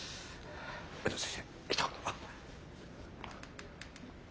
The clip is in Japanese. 宇野先生ひと言。